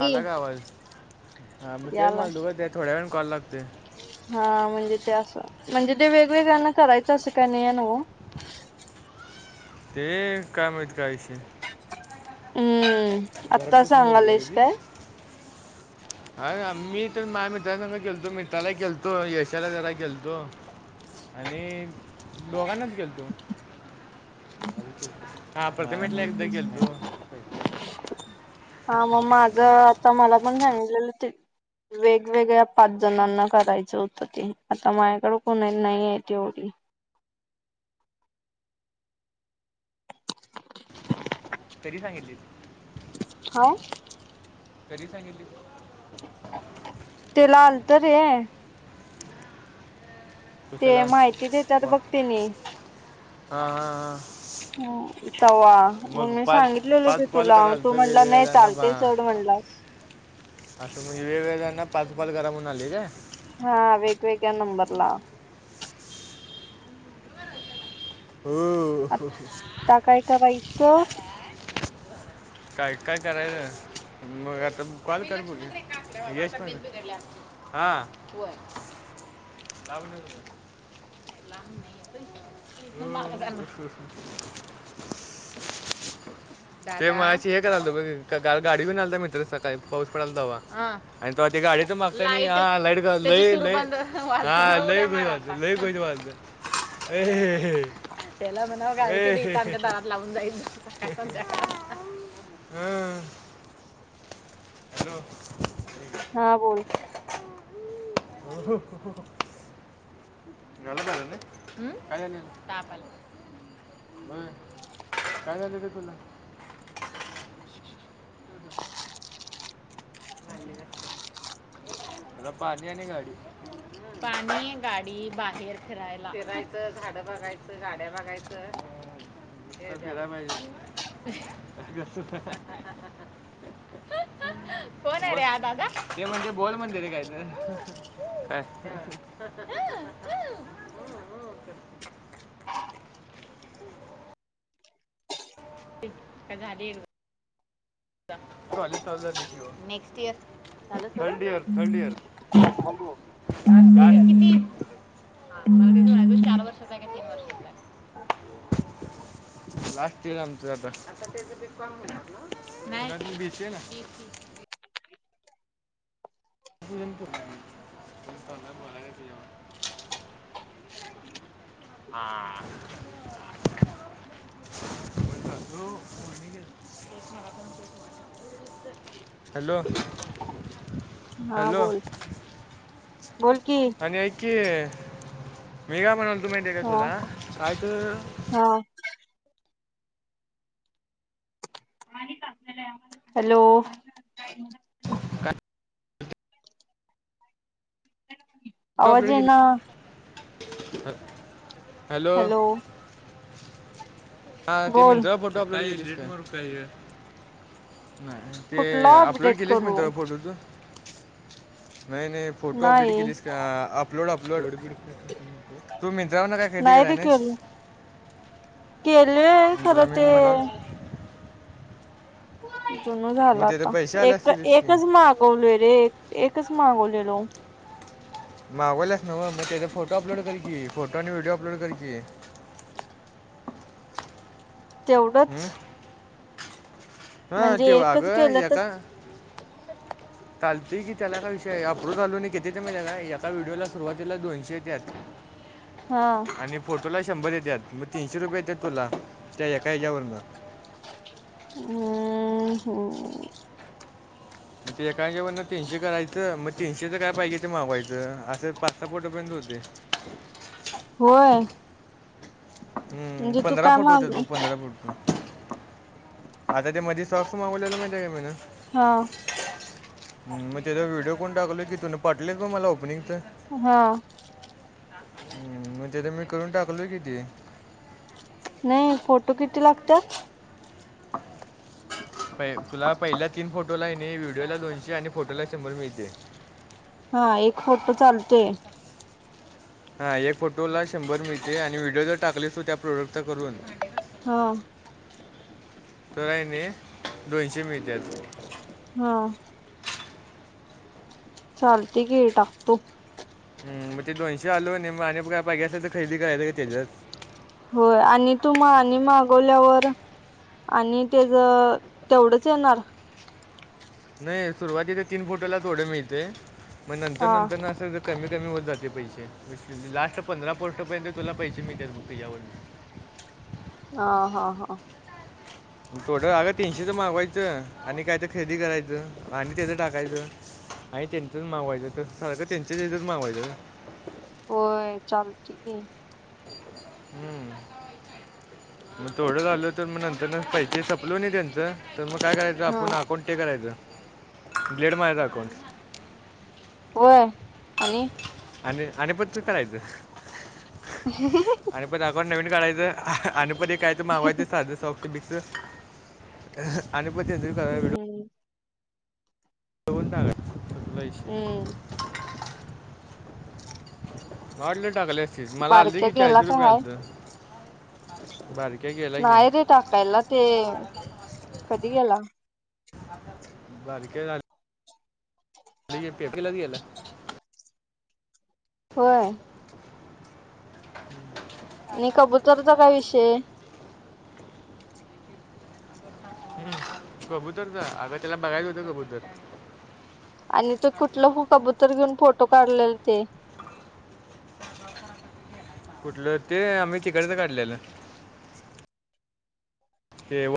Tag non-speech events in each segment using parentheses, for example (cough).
की अलग आवाज हा मग तेल याला माल दुघच थोड्या वेळण कॉल लागते हा म्हणजे ते असं म्हणजे ते वेगवेग्यांना करायचं असं का नाही न ते काय माहत कायशी हम्म आता सांगालाश काय अ मी तर माझ्या मित्रां सग खेळतो मित्राला खेळतो यशाला जरा खेळतो आणि दोघांनाच गेल तू हा प्रथमेटल्या एक द गेल् हा मग माझ आता मला पण सांगलेलं ते वेगवेगळ्या पाच जणांना करायचं होतं ते आता माझ्याकडं कोुणा नाही आहेत एवढी तरी सांगितली हा कधी सांगितली तेला आल तर आहे ते कुशाला माहिती देतात वा- बघते न हा हा हा ह वा मग मी पाच सांगितलेले होते पाच कॉल तुला कराल तू तर म्हणला वेगवेगळ्या नाही जणांना पा चालते चढ म्हणलास असं म्हणजे वेगवेगळ्यांना पाचपाल करा म्हून आले का हा वेगवेेगळ्या नंबर ला हो आता काय करायचं काय काय करायच मग आता कॉल कर ब यश पण हा म (inaudible) ते म हे कराल गाडी ब आलता म्र सकाळी पाऊस पडला हवा आणि ते गाडीच माग हा लाट ल हा लय को वा लई को वाज नाही अ त्याला म्हणा काांच्या दरात लावून जाईल हम् हॅलो हा बोल (inaudible) गढले का होय काय झालं ते तुला (inaudible) मला पाणीने गाडी पाणी गाडी बाहेर फिरायला फिरायचं झाड बघायचं गाड्या बघायचं खला पाहिजे (inaudible) कोण आहे रे आ दादा हे म्हणजे बोल म्हणते रे काय तर अ अ त क झाली कॉलेज चा next year third year third year किती? ह मला ते म्हणाय तु चार वर्षाचा आहे का तीन वर्षाचा आहे. लास्ट ईयर आमचं आता. (unintelligible) (unintelligible) आ. (unintelligible) हॅलो. हा हॅलो बोल बोल की आणि ऐक की मी का म्हणल तू माहिती आहे का हा तुला काय तर हा हॅलो. का फोटो आवाज अपलोड ये केली ना. हॅलो. हा ते मी बोल ज फोटो आपला. (unintelligible) नाही ते कुठला अपलोड अपडेट केलेच म करू तर फोटोच म फोटोपडेट नाही केलीस का अपलोड अपलोड तू मंत्राना काय खेदी नाही करा ते नास केल केले खरं ते गुलामीन बनल जुन मग झाला त्याचे आता पैसे आले एक असतीलच की एकच मागवलय रे मागवले. हॅलो. मागलास नव मग त्याचा फोटो अपलोड कर क फोटो आणि व्हिडिओ अपलोड करचे. (unintelligible) तेवढंच. हा म्हणजे तेव अग एकच केलं या तर का चालते की त्याला का विय अप्रू लून घेते ते म्ह एका व्हिडिओला सुरुवातीला दोनशे देत्यात. हा आणि फोटोला शंभर येतात मग तीनशे रुपये येतात तुला त्या एका ह्याच्यावरून हम्म. हम्म्म. म्हणजे एक काय जेवण ना तीनशे करायचं मग तीनशेच काय पाहिजे ते मागवायचं असे पाच सहा पोटापर्यंत होते होय. हम्म म्हणजे तू पंधरा काय फुट होत माग बघ पंधरा फूट. आता ते मध सॉक्स मागवलेलं मा त्या गमन हा मग त्याचा व्हिडिओ कोण टाकलय किथून पाटल ब मला ओपनिंगंच हा. हम्म मग तेथ मी करून टाकलोय किती नाही फोटो किती लागतात. प तुला पहिला तीन फोटो ला येणे व्हिडिओला दोनशे आणि फोटोला शंभर मिळते. हा एक फोटो चालतोय. हा एक फोटो ला शंभर मिळते आणि व्हिडिओ जर टाकले त त्या प्रोडक्टच करून हा. त आहे नाही दोनशे मीटर. हा. चालते घी टाकतू हम मग ते दोनशे आलू आणि आणि बघ पाहिे असेल तर खरेदी करायचं का ते. होय आणि तुम्हा आणि मागवल्यावर आणि तेच तेवढंच येणार. नई सुरुवातीच्या तीन फोटोला थोड मिळतय मग नंतर हा नंतरन अस कमी कमी होत जाते पैसे, (unintelligible) लास्ट पंधरा पोस्टपर्यंत तुला पैसे मिळत्यात बग तेज्यावरन हा हा हा. टोटल अगं तीनशेच मागवायचं आणि काय त खरेदी करायचं आणि त्याचं टाकायचं. नाही त्यांचच मागवायचं त सारखं त्यांच्या (unintelligible) मागवायचं ग होय चालते की हम्म. मग थोडं झालो तर मग नंतरन पैसे संपलो कनई तेंच, तर मग काय करायचं हा आपण अकाउंट ते करायचं. ब्लेड मायचा अकाऊंट वय आणि आणि आणि (unintelligible) काढायचं आणि परत अकाउंट नवीन काढायचं. आणि (unintelligible) काय तर मागवायच साधं सॉपत बिक्स आणि (unintelligible) हम्म (unintelligible) सपला विषय हम्म मला वाटलं टाकाल असशील, मला आलते कि चाळशे रुपये आलत नाई रे टाकायला, ते कधी गेला? (unintelligible) बारक्या झा (unintelligible) होय. हम्म आणि कबूतरचा काय विषय हम् कबूतरचा अगं त्याला बघायचं होतं कबूतर आणि त कुठलं कबूतर घेऊन फोटो काढलेल ते कुठलं ते आम्ही तिकडच काढलेलं केव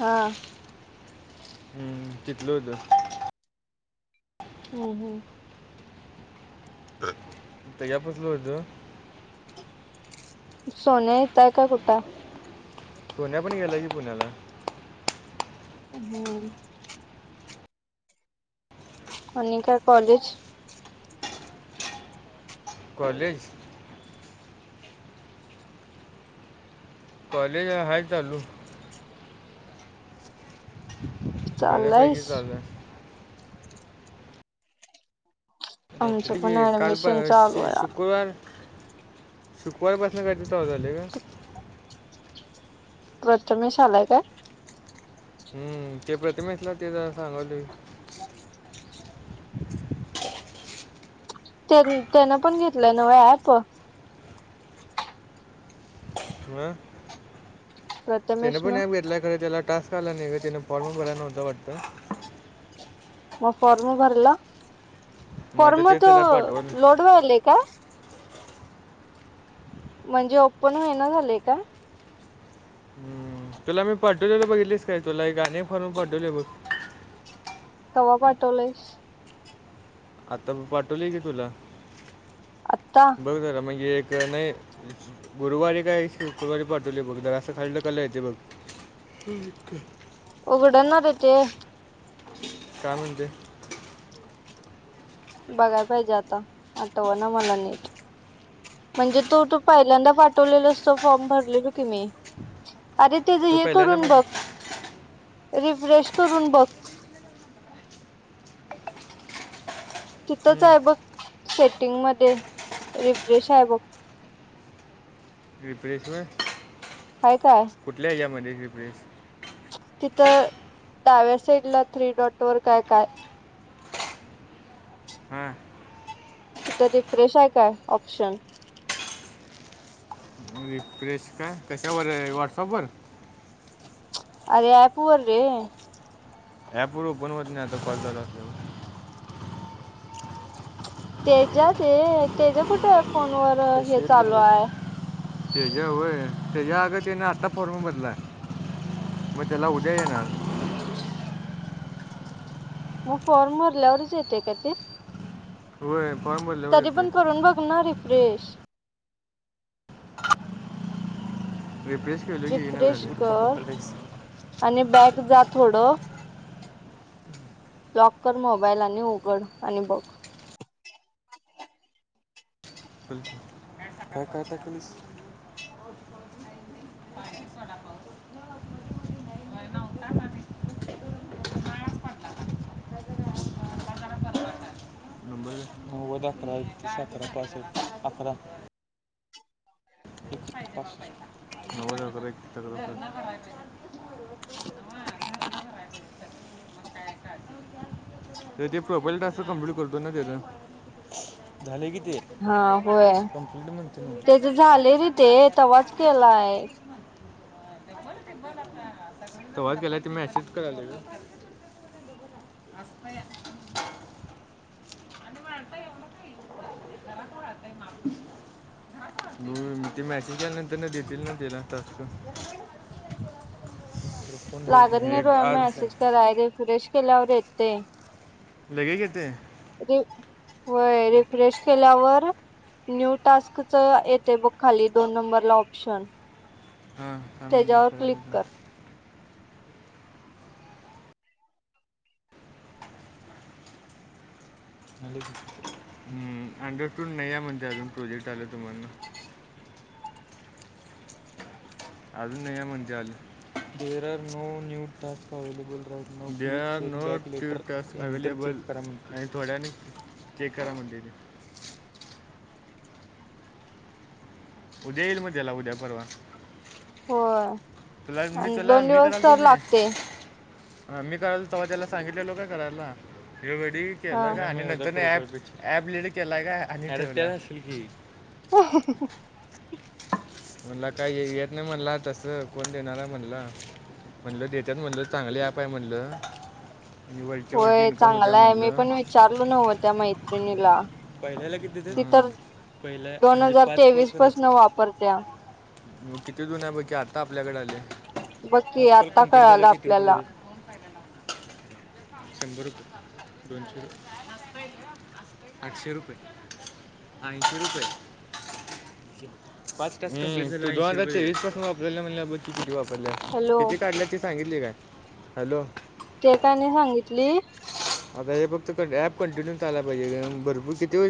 हा हम्म तितल त होम हो त यापसल होत सोन येतय काय कुठ पुण्या पण गेला की पुण्याला अ हम्म. अणी काय कॉलेज? कॉलेज कॉलेज अ हाय चालू बऱ्या पैकी चाललायस चालू आय आमचं रात्री पण काल प ऍडमिशन शे चालू आहे. शुक्रवार शुकुरवार पासन काय तर चालू झालय ग प्रथमेश आलाय काय? हम्म ते प्रथिमेतला ते जरा सांगलोय नाही त्यान पण घेतलंय नव ऍप हम त्याने प्रथमेश पण न नप घेतला खर त्याला टास्क आला नाही का त्याने फॉर्म प भरायला नव्हता वाटत मग फॉर्म भरलं मग आता फॉर्म ते त त्याला पाठवलं लोडवायले का म्हणजे ओपन वयना झाले का हम्म, तुला मी पडवले बघितलीस काय तुला एक अनेक फरून पडवले बघ कवा पाटोलास आता पाठवलीय की तुला आत्ता बघ जरा मणे एक नाही गुरुवारी काय शुक्रवारी पाठवली बघ राचं खाल्लं कलं येत बघ एक उघडणार य ते काय म्हते बघायला पाहिजे आता आठव ना मला नीट म्हणजे तो तू पहिल्यांदा पाठवलेल असत फॉर्म भरलेल कि मी अरे ते तो हे पहिला करून नंबर बघ रिफ्रेश करून बघ तिथंच आहे बघ सेटिंग मध्ये रिफ्रेश आहे बघ रिफ्रेश म हाय काय? कुठल्या हमध्येध्ये रिफ्रेश तर डाव्या साईड ला थ्री डॉट वर काय काय हां तिथ रि फ्रेश आहे काय ऑप्शन प्रेश काय कशावर व्हॉटसअप वर अर या पू वर ॲप वर ओपन होत नाही नाता कल लते तेजात तेज कुठ फोन वर हे चालू आहे त्याच्या वय त्याच्या अग त्याने आत्ता फॉर्म बदलाय मग त्याला उद्या येणार मग फॉरमरलारचेत का ते होय फॉर्म बदल्यावर तरी येते पण करून बघणार रे फ्रेश रिफ्रेश केलं की येणार रिफ्रेश झाले कर, आणि बॅग जा थोडं. लॉककर मोबाईल आणि उघड आणि बघ ब का काता कलीस (unintelligible) पाऊस नव्हताच आधी उन्हाळाच पडला का कोत अ खरा काखरा पास आखरा. नव (unintelligible) (inaudible) तर ते प्रोबाईल टास्क कमप्लीट करतो ना त्या झाले की हा होय कम्प्लीट म्हणजे त्याच झाले रे ते तवाच केलाय. तेवच गेला ते मेसेज कळालं ग! असस्ते (unintelligible) (unintelligible) (unintelligible) हम्! ते मॅसेंजच्याल्यानंतर ना देतील ना दिला तस्क लागत नाही रोया मेसेज कराय रे फ्रेश केल्यावर येते. लगे घेते होय रिफ्रेश केल्यावर... न्यू टास्क च येते बघ खाली दोन नंबरला ऑप्शन... हा करायलो त्याच्यावर क्लिक करायलो.... कर म अंडर टूून नाही आहे म्हणजे अजून प्रोजेक्ट आला तुम्हाला... (unintelligible) अजून नाही म्हणजे आली there are no new task available rot there are no new task available... थोड्या वेळानी (unintelligible) उद्या येईल मग त्याला उद्या, परवा.... होय तुला मी आणि दोन दिवस तर लागते. ह मी करायल तेव्हा त्याला सांगितलेलो का करायला ह वडी हा केला का आणि नंतरही ॲप ॲप लीड केला का आणि... अ (unintelligible) म्हणला काय येत नाही म्हणला तस कोण देणार आहे म्हणला..... म्हणल देतात म्हणल चांगलं ॲप आहे म्हणलं... आणि वळच्या वळची इन्कम होत्या म्हणलं (unintelligible) पहिल्याला किती ते ती तर दोन हजार तेवीस पासन वापरत्या मग किती जून आहे बाकी आता बघ की पाच कॉल आता कंप्लीट झाले कळला किती रुपये आपल्याला... देतात शंभर रुपये, दोनशे रूपये... आठशे रुपये, ऐंशीे रुपये... (unintelligible) पहिलं या हॅलो किती काढल्याची सांगितली काय? हॅलो.. एकाने सांगितली... आता हे फक्त क ऍप कंटिन्यू चालाय पाहिजे भरपूर किती वेळ....